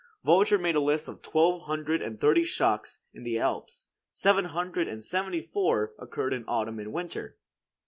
Volger made a list of twelve hundred and thirty shocks in the Alps; seven hundred and seventy four occurred in autumn and winter.